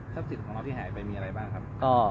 สิทธิ์ของเราที่หายไปมีอะไรบ้างครับ